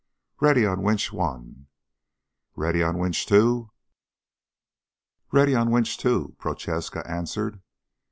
"Ready on winch one." "Ready on winch two?" "Ready on winch two," Prochaska answered.